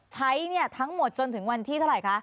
ใช้ทั้งหมดจนถึงวันที่เท่าไหร่คะ